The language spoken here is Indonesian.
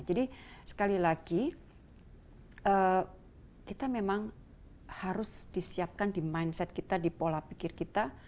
jadi sekali lagi kita memang harus disiapkan di mindset kita di pola pikir kita